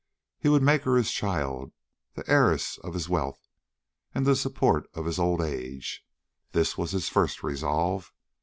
He would make her his child, the heiress of his wealth, and the support of his old age; this was his first resolve.